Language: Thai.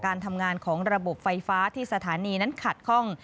การทำงานของระบบไฟฟ้าที่สถานีนั้นขัดข้อง